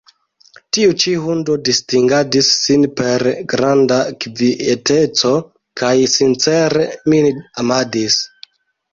Tiu ĉi hundo distingadis sin per granda kvieteco kaj sincere min amadis.